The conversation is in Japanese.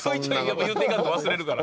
言うていかんと忘れるから。